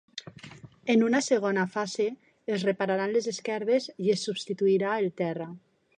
En una segona fase es repararan les esquerdes i es substituirà el terra.